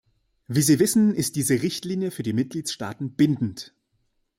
Wie Sie wissen, ist diese Richtlinie für die Mitgliedstaaten bindend.